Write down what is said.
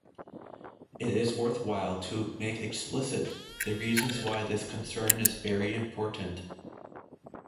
It is worthwhile to make explicit the reasons why this concern is very important.